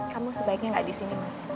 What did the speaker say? kamu sebaiknya gak disini mas